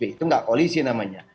itu enggak koalisi namanya